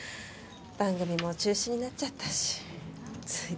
番組も中止になっちゃったしついてないな。